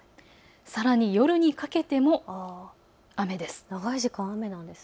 さらに夜にかけても雨です。